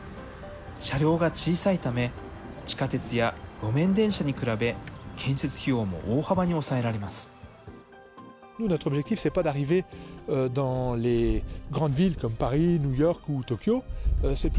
車両が小さいため、地下鉄や路面電車に比べ、建設費用も大幅に抑えられます。